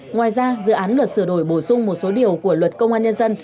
ngoài ra dự án luật sửa đổi bổ sung một số điều của luật công an nhân dân